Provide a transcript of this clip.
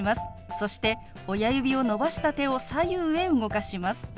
そして親指を伸ばした手を左右へ動かします。